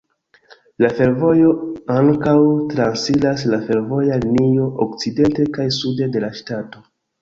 La fervojo ankaŭ transiras la fervoja linio okcidente kaj sude de la ŝtato.